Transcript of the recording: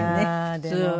普通は。